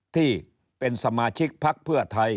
ที่เป็นสมาชิกพักเพื่อไทย